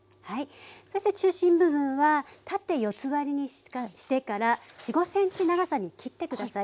そして中心部分は縦四つ割りにしてから４５ｃｍ長さに切って下さい。